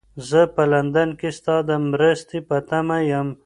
زه په لندن کې ستا د مرستې په تمه یم.